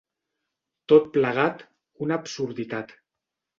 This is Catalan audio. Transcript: Tot plegat, una absurditat.